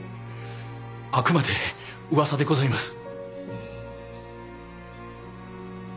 あくまで噂でございます。